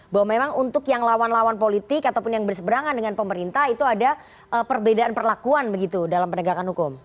bahwa memang untuk yang lawan lawan politik ataupun yang berseberangan dengan pemerintah itu ada perbedaan perlakuan begitu dalam penegakan hukum